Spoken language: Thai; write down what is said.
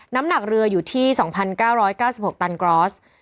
น้ำหนักเรืออยู่ที่๒๙๙๖ตันกรอส